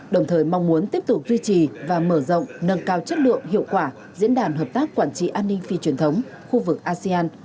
đồng thời mong muốn tiếp tục duy trì và mở rộng nâng cao chất lượng hiệu quả diễn đàn hợp tác quản trị an ninh phi truyền thống khu vực asean